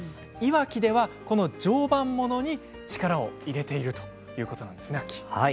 磐城では、この常磐ものに力を入れているということなんです。